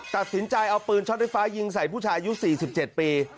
ตัดสินใจเอาปืนช็อตไฟฟ้ายิงใส่ผู้ชายอายุ๔๗ปี